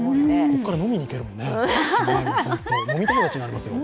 ここから飲みに行けますからね。